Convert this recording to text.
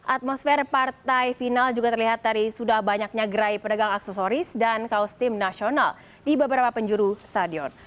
atmosfer partai final juga terlihat dari sudah banyaknya gerai pedagang aksesoris dan kaos tim nasional di beberapa penjuru stadion